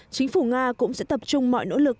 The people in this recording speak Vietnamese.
chính phủ nga cũng sẽ tập trung mọi nỗ lực